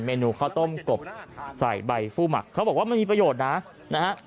นูข้าวต้มกบใส่ใบฟู้หมักเขาบอกว่ามันมีประโยชน์นะนะฮะ